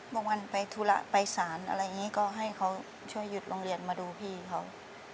วันไปธุระไปสารอะไรอย่างนี้ก็ให้เขาช่วยหยุดโรงเรียนมาดูพี่เขา